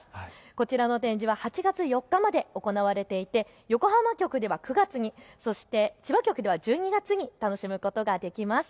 こちらの展示は８月４日まで行われていて横浜局では９月に、千葉局では１２月に楽しむことができます。